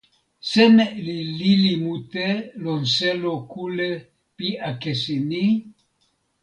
seme li lili mute lon selo kule pi akesi ni?